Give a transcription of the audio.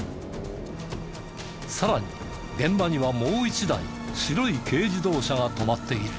さらに現場にはもう一台白い軽自動車が止まっている。